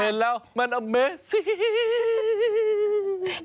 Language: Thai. เห็นแล้วมันอเมซี่